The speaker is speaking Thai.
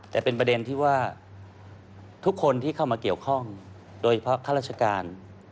แต่เป็นประเด็นที่ว่าทุกคนที่เข้ามาเกี่ยวข้องโดยเฉพาะข้าราชการ